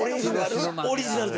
オリジナル？